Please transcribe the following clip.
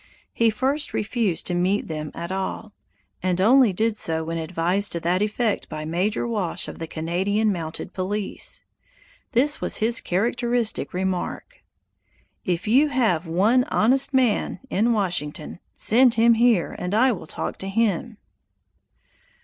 He first refused to meet them at all, and only did so when advised to that effect by Major Walsh of the Canadian mounted police. This was his characteristic remark: "If you have one honest man in Washington, send him here and I will talk to him."